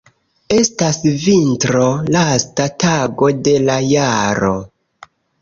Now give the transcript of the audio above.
Estas vintro, lasta tago de la jaro.